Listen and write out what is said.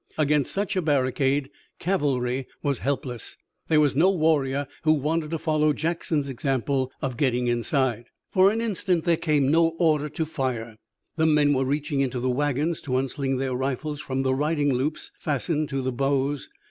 Against such a barricade cavalry was helpless. There was no warrior who wanted to follow Jackson's example of getting inside. For an instant there came no order to fire. The men were reaching into the wagons to unsling their rifles from the riding loops fastened to the bows.